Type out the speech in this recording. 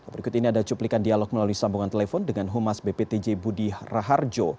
berikut ini ada cuplikan dialog melalui sambungan telepon dengan humas bptj budi raharjo